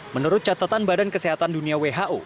menurut catatan badan kesehatan dunia who